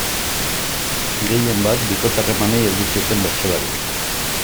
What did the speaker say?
Gehienbat, bikote-harremanei heldu zieten bertsolariek.